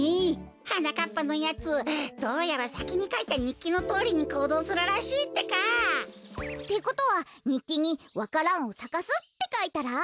はなかっぱのやつどうやらさきにかいたにっきのとおりにこうどうするらしいってか。ってことはにっきに「わか蘭をさかす」ってかいたら？